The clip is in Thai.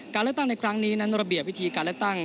การเลือกตั้งในครั้งนี้นั้นระเบียบวิธีการเลือกตั้ง